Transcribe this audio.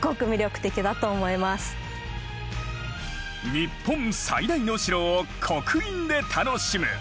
日本最大の城を刻印で楽しむ。